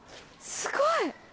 すごい！